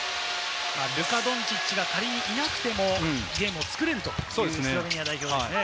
ルカ・ドンチッチがいなくてもゲームを作れるというスロベニア代表ですね。